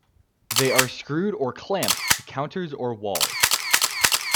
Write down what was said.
They are screwed or clamped to counters or walls.